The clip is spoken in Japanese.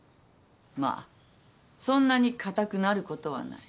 まあそんなにかたくなることはない。